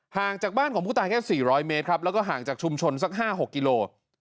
ห่างจากบ้านของผู้ตายแค่๔๐๐เมตรครับแล้วก็ห่างจากชุมชนสัก๕๖กิโล